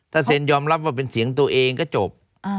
ถ้าเซ็นยอมรับว่าเป็นเสียงตัวเองก็จบ